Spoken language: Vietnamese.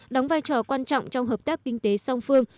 đóng vai trò quan trọng trong hợp tác kinh tế song phương